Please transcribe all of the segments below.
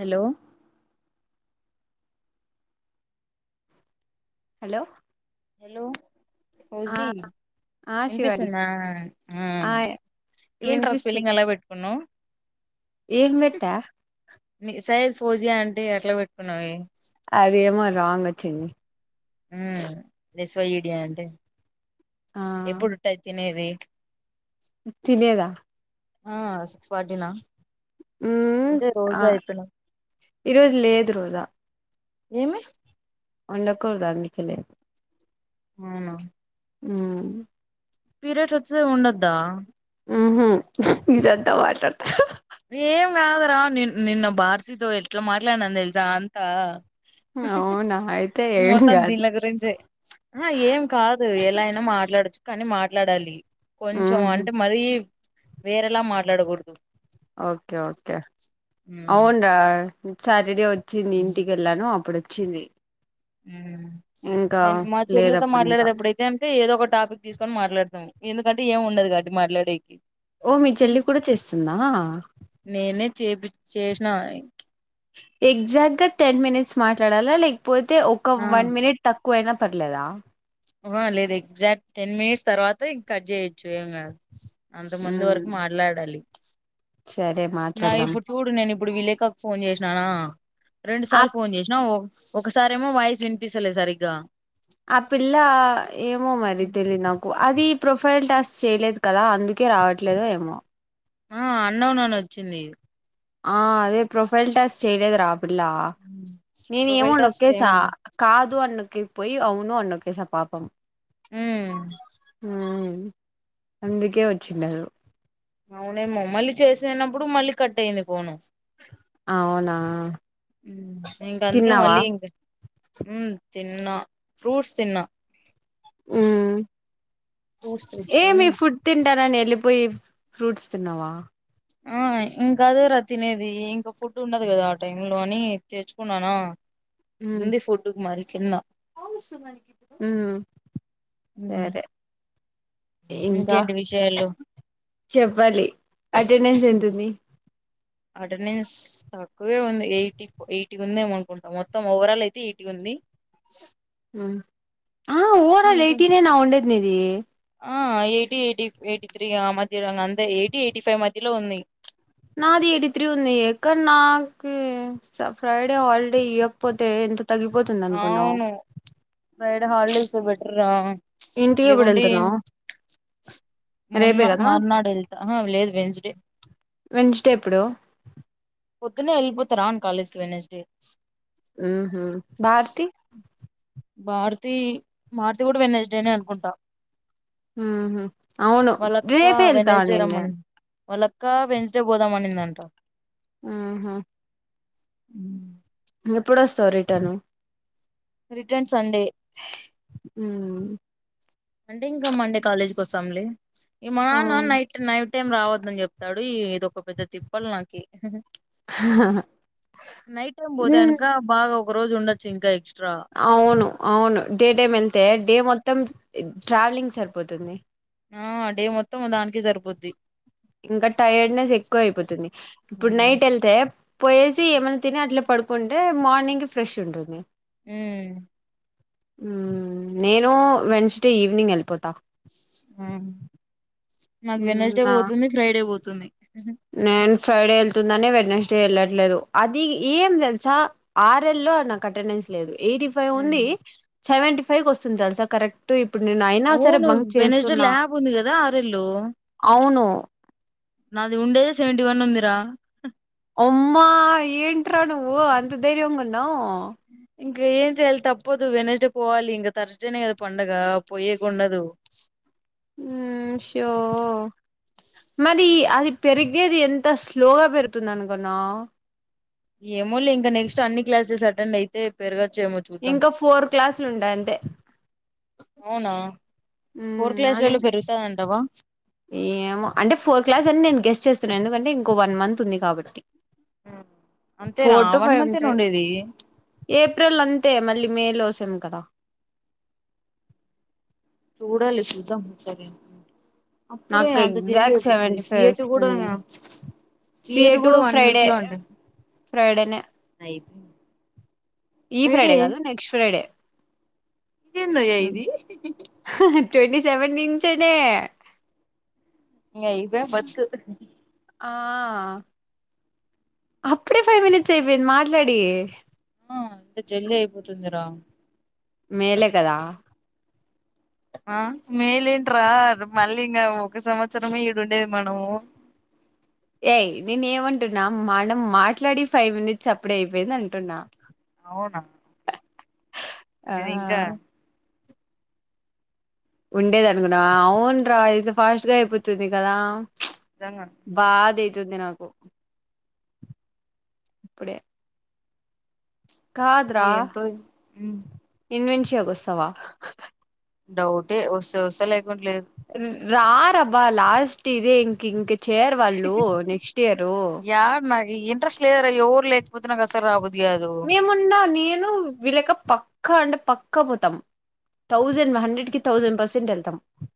హేలో hello hello ఆ ఫౌజీ ఆ శివాని ఇనిపిస్తుంద ఆ ఆ ఆ ఏంట్రా స్పెల్లింగ్ అలా పెట్టుకునవ్ ఎమ్ బేట్ట సైజ్ ఫోజియా అంటే ఎట్లా పట్టుకున్నావే అది ఏమో రాంగ్ వచ్చింది హామ్ ఎస్ వై ఈ డే అంటే ఆ ఎప్పుడు ట్టాయి తినేది తినేదా ఆ సిక్స్ ఫార్టీ ల అంటే రోజుయితినై ఈ రోజు లేదు రోజా. ఏమి ఉండ కూడదు ఆ మిట్టలే అవునా హుమ్మ్ పీరియడ్స్ వసే ఉండద్దా ఉహూ ఇజంతా వాటర్ ఏం కాదురా ని నిన్న భారతితో ఎట్లా మాట్లాడిననో తెలుసా అంతా అవునా అయితే ఏం మొత్తాం కాదు దీనిల గురించే ఆ ఏం కాదు ఎలా, అయినా మాట్లాడచ్చు కానీ మాట్, మాట్లాడాలి కొంచెం ఊహూ అంటే, మరీ వేరేలా మాట్లాడకూడదు. ఓకే ఓకే ఉమ్ అవును రా సాటర్డే వచ్చింది. ఇంటికి వెళ్ళాను అప్పుడు వచ్చింది. ఇంకా నేన్ మా లేదు చెల్లతో అప్పుడు ఇంకా మాట్లాడేట అప్పుడుతే అంటే ఏదో ఒక టాపిక్ తీసుకొని మాట్లాడతాం. ఎందుకంటే ఏం ఉండదు కాబట్టి మాట్లాడేకి. ఓ మీ చెల్లి కూడా చేస్తుందా. నేనే చేపి చేసిన ఎగ్జాక్ట్ గా టెన్ మినిట్స్ మాట్లాడాలా. లేకపోతే ఒక ఆ వన్ మినిట్ తక్కువైనా పర్ పర్లేదా ఆహా, లేదు ఎగ్జాక్ట్ టెన్ మినిట్స్ తర్వాత ఇంక కట్ చేయొచ్చు ఏం కాదు అంత ముందు హ్మ్ వరకు మాట్లాడాలి సరే నా మాట్లాడదాం ఇప్పుడు చూడు నేను ఇప్పుడు విలేకాకు ఫోన్ చేసిననా రెండు ఆ సార్లు ఫోన్ చేసిన ఓ. ఒకసారేమో వాయిస్ వినిపిస్తాలే సరిగ్గా ఆ పిల్ల ఏమో మరి ఉమ్. తెలిదు నాకు అది ప్రొఫైల్ టాస్క్ చేయలేదు కదా. అందుకే రావట్లేదు ఏమో. ఆ అన్నోన్ నని వచ్చింది ఆ అదే ప్రొఫైల్ టాస్క్ చేయలేదు రా ఆ పిల్ల నేనే ఏమో ప్రొఫైల్ టాస్క్ నొక్కేసా ఏమన్నా కాదు అన్ను నొకేకి పోయి అవును అన్ని నొకేస పాపం హుమ్మ్ హామ్ అందుకే వచ్చిందరు అవునమో మళ్ళీ చేసేనప్పుడు మళ్ళీ కట్ అయంది ఫోను అవునా ఇంకా అందుకే తిన్నావా మళ్ళీ ఇక్ ఉమ్మ్ తిన్నా ఫ్రూట్స్ తిన్నా ఉమ్ ఫ్రూట్స్ తెచ్చుకొని ఏమి ఫుడ్ తిన్ తింటానని వెళ్ళిపోయి ఫ్రూట్స్ తిన్నావా ఆ ఇంకా అదే రా తినేది ఇంకా ఫుడ్ ఉండదు కదా ఆ టైమ్ లో అని తెచ్చుకున్న ఉంది ఫుడ్ మరి కింద హుమ్ సరే మ్మ్ ఇంకా ఇంకేంటి విషయాలు చెప్పాలి అటెండెన్స్ ఎతుంది అటెండెన్స్ తక్కువే ఉంది ఎయిటీ ఎయిటీ ఉంది ఏమో అనుకుంటున్న, మొత్తం ఓవరాల్ అయితే ఎయిటీ ఉంది. ఆ ఓవరా ఆల్ ఇంకా ఎయిటి నేనా ఉండేది నిది ఆ ఎయిటీ ఎయిటీ ఎయిటీ త్రీ ఆ మధ్యలో ఇంగ అంతే ఎయిటీ ఎయిటీ ఫైవ్ మధ్యలో ఉంది. నాది ఎయిటి త్రీ ఉంది ఎక్కడ నాకు ఫ్రైడే హాలిడే ఇవ్వకపోతే ఎందుకు అవును బైడ హల్డేస్ బట ఇడి విడంతర మొన్న రేపే కదా మర్నాడు వెళ్తా ఆహా లేదు వెన్స్డే వెంచటే ఎప్పుడు పొద్న్ననే వెళ్ళపోతారాను కాలేజ్కి వెెస్డే ఉ భారతి భారుతి మారుతి కూడా వెన్నస్ డేని అనుకుంటాం అవును రే ఫేల్తాని వల్ల అక్క వెడ్నెస్ డే పోదామనిందంట ఆహా అ ఎప్పుడుస్తావు రిటర్న్ రిటర్న్ సండే ఆ అంటే ఇంకా మండే కాలేజ్కి వసాంలీ ఇమనా అవును నైట్ నైట్ టైమ్ రావద్ ని చెప్తాడు ఈ ఇదొక పెద్ద తిప్పాల నాకి నైట్ టైం ఉమ్ పోతేనుక బాగా ఒక రోజు ఉండొచ్చు ఇంకా ఎక్స్ అవును అవును డే డే వెళ్తే డే మొత్తం ట్రావెలింగ్ సరిపోతుంది ఆ డే మొత్తం దానికి జరుపోద్ది ఇంకా టైర్డ్నెస్ ఎక్కువ అయిపోతుంది ఇప్పుడు అమ్మా నైట్ వెళ్తే పోయేసి ఏమైన్నా తిని అట్లా పడుకుంటే మార్నింగ్ ఫ్రెష్ ఉంటుంది హ నేను వెన్స్డే ఈవినింగ్ వెళ్ళిపోతా ఆ నాకు వెనస్డే పోతుంది ఫ్రైడే పోతుంది నేన్ ఫ్రైడే వెళ్తుందనే వెనస్డే వెళ్ళట్లేదు అది ఏం తెలుసా ఆర్ేల్ల్లో నాకు అటెండెన్స్ లేదు ఎయిటీ ఫైవ్ హ్మ్ ఉంది సెవెంటీ ఫైవ్ వస్తుంది చసా కరెక్ట్ ఇప్పుడు నేను అయినా సరే అవును బంక్ వెనస్డే చేస్తున్నా ల్యాబ్ ఉంది కదా ఆరెల్లో అవును నాది ఉండేదే సెవెంటీ వన్ వందిరా అమ్మా ఏంట నువ్వు అంత ధైర్యవంగన్నావు ఉ ఇంకా ఏం చేయాలి తప్పదు వెనస్డే పోవాలి ఇంకా థర్స్డేనే కదా పండగ పోయేకుండదు షో మరి అది పెరిగేది ఎంత స్లోగా పెరుతుంది అనుకున్నా ఏమో లే ఇంక నెక్స్ట్ అన్ని క్లాసెస్ అెండ్ అయితే పెరగచ్చు ఇంకా ఫోర్ క్లాసులు ఉండయి అంతే అవునా ఫోర్ అదే క్లాస్లలో పెరుగుతాదంటావా ఏమో అంటే ఫోర్ క్లాస్ అని నేను గెస్ట్ చేస్తాను ఎందుకంటే ఇంకో వన్ మంత్ ఉంది కాబట్టి అంతేనా four to one five month ఏనా ఉంటాయి ఉండేది ఏ ఏప్రిల్ అంతే మళ్ళీ మేలో వసాం కదా చూడాలి చూద్దాము సరే అప్పుడే నాకు అంత జల్లి ఎగ్జాక్ట్ ఎప్పుడుతుంది సెవెంటీ ఫైవ్ సీయటు కూడా వస్తుంది సిఏ సియటు టు కూడా వన్ ఫ్రైడే వీక్ లో ఉండి ఫ్రైడేనే ఈ ఫ్రైడే కాదు నెక్స్ట్ ఫ్రైడే ఇదిేందయ ఇది ట్వంటీ సెవెన్ ఇంచనే న ఇవే మత్ ఆ అప్పుడే ఫైవ్ మనిట్స్ అయిపోయింది మాట్లాడి ఆ ఎంత జల్లి అయిపోతుందిరా మేలే కదా ఆ మేలేంట రా మళ్ళీ ఇంకా ఒక సంవత్సరమే ఈడుండేది మనము ఏయ్ నేను ఏమంటున్నా మనం మాట్లాడి ఫైవ్ మినిట్స్ అప్పుడే అయిపోయింది అంటున్నా అవునా ఆ నేను ఇంకా ఉండేద అనుకున్నవ అవున రా ఇది ఫాస్ట్ గా అయిపోతుంది కదా నిజంగా బాదైతుది నాకు ఇప్పుడే ఏంటో ఇన్వెన్షియా గొస్తవా డౌటే వస్తే వస్తా లేకుంటే లేదు రా రబ్బా లాస్ట్ ఇదే ఇంక్ ఇంక చేర్ వాళ్ళు నెక్స్ట్ ఇయరు యాడ నాకు ఇంట్రెస్ట్ లేదురా ఎవరు లేకపోతే నాకు అసలు రాబుద్ది కాదు మేమున్న నేను విలక ప పక్క అంటే పక్క పోతాం థౌజండ్ హండ్రెడ్ కి థౌజండ్ పర్సెంట్ వెళ్తాం త్తము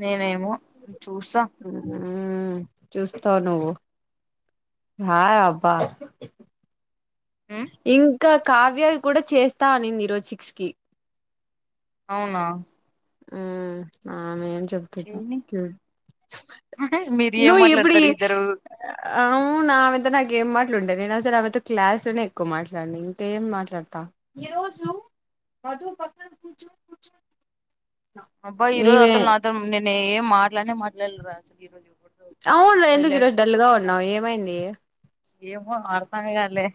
నేనే నేమో చూస్తా ఉమ్ చూస్తావు నువ్వు రాయ్ అబ్బా ఉ ఇంకా కావ్యా కూడా చేస్తా అనింది ఈ రోజు సిక్స్ కి అవునా ఉమ్ ఆమేం చెప్తదో చేయని మీరు ను ఏం ఎప్పుడి మాట్లాడతారు ఇద్దరు అవున నా ఆమెతో నాకేం పని నేను అసలు అంతో క్లాస్ లోనే ఎక్కువ మాట్లాడ ఇంకేం మాట్లాడతా ము పక్కడ కూ ప [unintelligible] అబ్బా ఈరోజు అసలు నాతో నిన్న ఏ మాట అట్లానే మట్లాలరా అసలు ఈరోజు అవును ఎందుకు ఈరోజు సైలెంట్ డల్ గా ఉన్నావు కూర్చున్నాను ఏమైంది ఏమో వాడతాను కాలే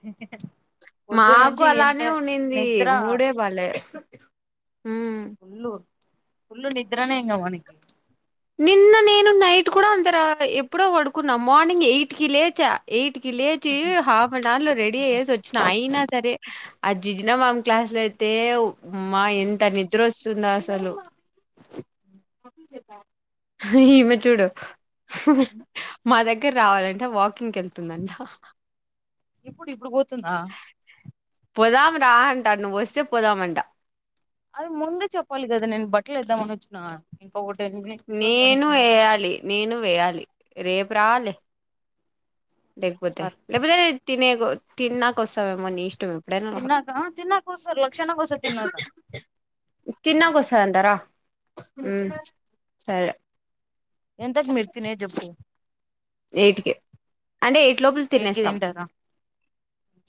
పొద్దుగాల మాకు నుంచి ఎంత అలానే ఉండింది నిద్ర మూడే బాలే మ్మ్ ఫుల్లు ఫుల్లు నిద్రనే ఇంగ మనకి నిన్న నేను నైట్ కూడా అంత ఎప్పుడో పడుకున్నా మార్నింగ్ ఎయిట్ కి లేచా ఎయిట్ కి లేచి హాఫ్ అర్ లో రెడీ అయే సోచిన ఆయినా సరే అజనా మ్యామ్ క్లాస్ లో అయితే మా ఎంత నిద్ర వస్తుందో అసలు ఈమె చూడు మా దగ్గర రావాలంటే వాకింగ్ వెళ్తుందంట ఇప్పుడు ఇప్పుడు పోతుందా పోదాం రా అంట నువ్వు వస్తే పోదామంట అది ముందే చప్పాలి కదా నను బట్టలు ఇద్దా మనచ్చున ఇ నేను వేయాలి నేను వేయాలి రేపు రావాలే లేగపోతే సార్ లేకపోతే తినే తిన్నాక వస్తామేమోని ఇష్టమే తిన్నాక తిన్నాక వస్తారు లక్షణంగా వసారూ తిన్నాక తిన్నాక వస్తాదంట రా ఉమ్ సరే ఇంతకీ మీరు తినేదిప్పుడు ఎయిట్క అంటే ఎయిట్ లోపల ఎయిట్ కి తినేస్తాము. తింటారా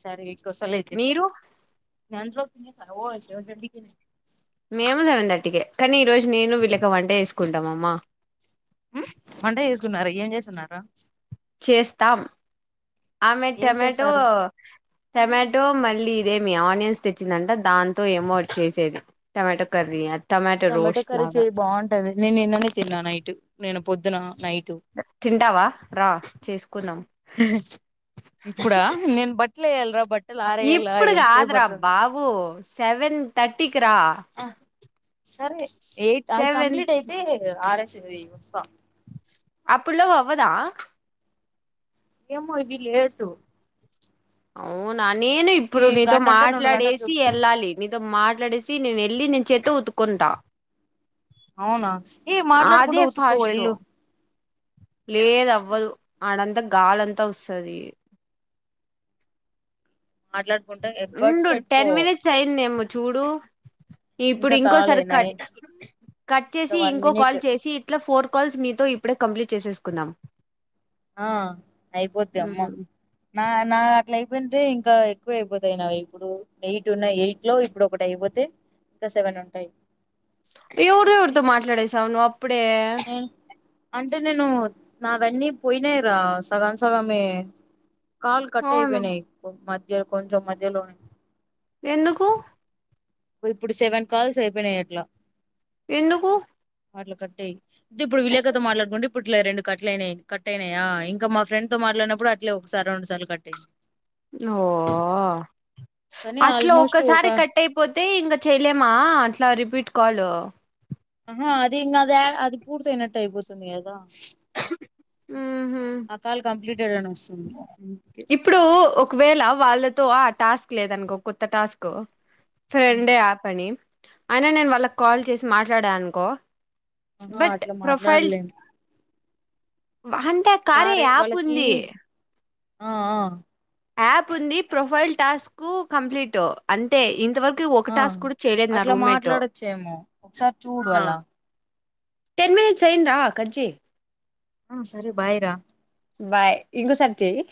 సరే ఎయిట్ వస్తా లే అయితే మేము సెవెన్ థర్టీకే కానీ ఈ రోజు నేను వీళ్ళక వంటే వేసుకుంటాంమ్మా వంట చేసుకున్నార ఏం చేసుకున్నారు చేస్తాం ఆమె ఏం టమాటో చేస్తారు టమాటో మళ్ళీ ఇదే మీ ఆనియన్స్ తెచ్చిందంటే దాంతో ఏమో చేసేది టమాటో కర్రీ టమాటో టమాటా రోస్ట్ కర్రీ చే లాగా బాగుంటది నేను నిన్ననే తిన్నా నైట్ నేను పొద్దున తింటావా రా చేసుకుందాం ఇప్పుడా నేను ప య్యాలి రా బట్ ఇప్పుడు కాదురా బాబూ సెవెన్ తర్టీకి రా ఆ సరే ఎయిట్ అది సెవెన్ కంప్లీట్ అయితే ఆరేస్తది యూనిఫ అప్పుల్లో అవ్వదా ఏమో ఇది లేటు అవునా నేను ఈ ఇప్పుడు నీతో గంట అంటే రెండు గంటలు మాట్లాడేసి చూపిస్తాంది వెళ్ళాలి నీతో మాట్లాడేసి సి నేను వెళ్ళి నేను చేతో ఉతుకుంటా అవునా ఏ మాట్లాడుకుంటు ఉతుకు ఫాస్ట్ ఎల్లు లేదు అవ్వదు ఆడంతా గాలింతా వస్తుది మాట్లాడుకుంటా ఎడ్బర్డ్స్ ఉండు టెన్ పెట్టుకో మినిట్స్ అయిందేమో చూడు ఇప్పుడు ఇంకా కాలే ఇంకోసారి కట్ నైన్ కట్ ఇంకా చేసి వన్ ఇంకో కాల్ మినిట్ చేసి ఇట్లా ఫోర్ కాల్స్ నీతో ఇప్పుడే కంప్లీట్ చేసేసుకుందాం ఆ అయిపోది అమ్మో మ్ నా నా అంటే ఇంకా ఎక్కువ అయిపోతాయి నా ఇప్పుడు ఎయిట్ ఉన్న ఎయిట్ లో ఇప్పుడు ఒకటి అయిపోతే ఇంకా సెవెన్ ఉంటాయి ఎవరెవరితో మాట్లాడేసావ్ నువ్వు అప్పుడే నేను అంటే నేను నావన్నీ పోయినాయిరా సగం సగమే కల్ కట్ అవును అయిపోయినాయి మధ్య కొంచెం మధ్యలోనే ఎందుకు ఇప్పుడు సెవెన్ కాల్స్ అయిపోయినాయి అట్లా ఎందుకు అట్లా కట్టాయి తే ఇప్పుడు విలేకతో మాట్లాడుకోండి ఇప్పుడు అట్లే రెండు కట్లునాయి కట్ అయినాయా ఇంకా మా ఫ్రెండ్ తో మాట్లాడిప్పుడు అట్లే ఒకసారి రెండు సార్లు కట్ అయి ఓ కానీ అట్లా ఆల్మోస్ట్ ఒక ఒకసారి కట్ అయిపోతే ఇంగా చేయలేమా అట్లా రిపీట్ కాలు ఆహా అది ఇంగా అది అది పూర్త అయినట్టు అయిపోతుంది కదా [inaudible] ఉహు ఆ కాల్ కంప్లీటెడ్ అని వస్తుంది అందుకే ఇప్పుడు ఒకవేళ వాళ్ళ ఆ టాస్క్ లేదనుకో కొత్త టాస్క్ ఉమ్. ఫ్రెండే యాప్ అని అయినా నేను వాళ్ళకు కాల్ చేసి మాట్లాడానుకో ఆహా బట్ అట్లా ప్రొఫైల్ మాట్లాడలేం అంటే కార్య సారే యాప్ వాళ్ళకి ఉంది ఆ ఆ యాప్ ఉంది ప్రొఫైల్ టాస్క్ కంప్లీట్ అంతే ఇంతవరకు ఒక ఆ టాస్క్ కూడా చేయలేదు నా అట్లా రూమ్మేటు మాట్లాడొచ్చేమో ఒకసారి చూడు అలా టెన్ మినిట్స్ అయ్యిందా కట్ చెయ్ ఉమ్ సరే బాయ్ రా బాయ్ ఇంకోసారి చెయ్యి